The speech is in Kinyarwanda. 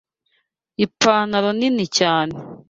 Ipantaro nini cyane.